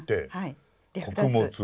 穀物。